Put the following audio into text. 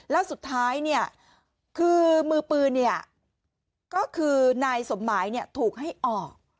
แล้วสุดท้ายเนี่ยคือมือปืนก็คือนายสมหมายถูกให้ออก